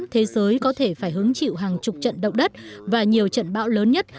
thế giới có thể phải hứng chịu hàng chục trận động đất và nhiều trận bão lớn nhất